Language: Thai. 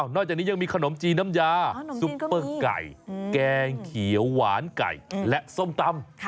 อกจากนี้ยังมีขนมจีนน้ำยาซุปเปอร์ไก่แกงเขียวหวานไก่และส้มตำ